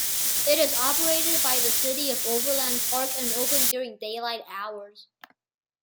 It is operated by the City of Overland Park, and open during daylight hours.